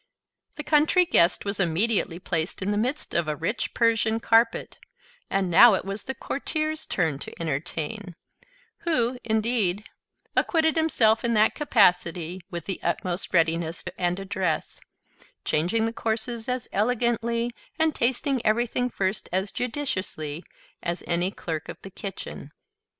The Country Guest was immediately placed in the midst of a rich Persian carpet: and now it was the Courtier's turn to entertain; who indeed acquitted himself in that capacity with the utmost readiness and address, changing the courses as elegantly, and tasting everything first as judiciously, as any clerk of the kitchen.